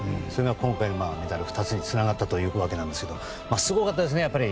それが今回のメダル２つにつながったというわけですがすごかったですね。